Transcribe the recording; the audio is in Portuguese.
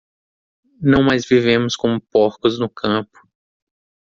Não mais vivemos como porcos no campo.